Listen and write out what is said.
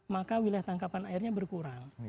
maka wilayah tangkapan airnya berkurang